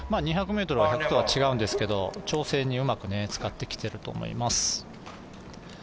２００ｍは１００とは違うんですけど調整にうまく使ってきているなと思います。